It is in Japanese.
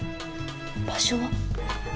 場所は？